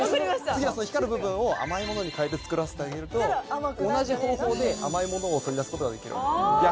次はその光る部分を甘いものに変えて作らせてあげると同じ方法で甘いものを取り出すことができる。